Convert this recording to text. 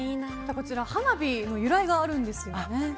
花火の由来があるんですよね。